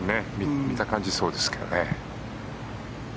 見た感じそうですけどね。